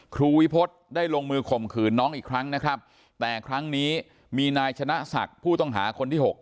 ครูวิพฤษได้ลงมือข่มขืนน้องอีกครั้งนะครับแต่ครั้งนี้มีนายชนะศักดิ์ผู้ต้องหาคนที่๖